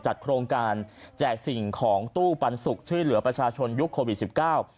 โครงการแจกสิ่งของตู้ปันสุกช่วยเหลือประชาชนยุคโควิดสิบเก้า